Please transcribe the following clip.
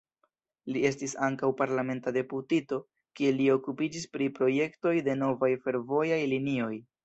Li estis ankaŭ parlamenta deputito, kie li okupiĝis pri projektoj de novaj fervojaj linioj.